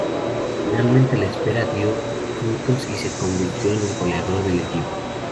Finalmente la espera dio frutos y se convirtió en el goleador del equipo.